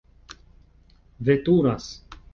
veturas